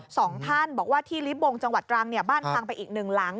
สองท่านบอกว่าที่ลิฟบงจังหวัดตรังเนี่ยบ้านพังไปอีกหนึ่งหลัง